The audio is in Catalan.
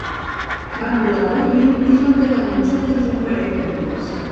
Van volar a Berlín i es van quedar amb nosaltres un parell de dies.